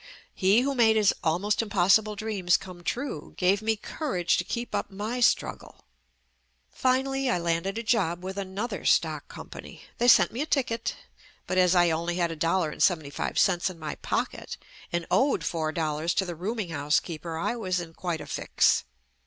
He who made his almost impossible dreams come true gave me courage to keep up my struggle. Finally I landed a job with another stock company. They sent me a ticket, but as I only had a dollar and seventy five cents in my pocket and owed four dollars to the rooming house keeper, I was in quite a fix.